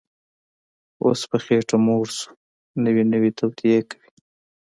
اوس په خېټه موړ شو، نوې نوې توطیې کوي